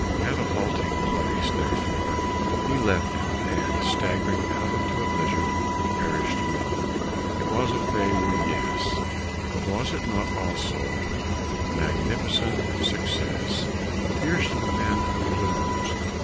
At a halting place, therefore, he left them and, staggering out into a blizzard, perished alone. It was a failure, yes; but was it not also magnificent success? Here's to the men who lose!